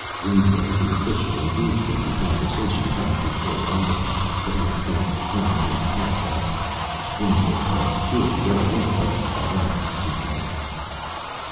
Winslow, the official, engaged him in conversation, trying to hold onto him, but he escaped, driving his cart off. Winslow called Security right away, but by then it was too late."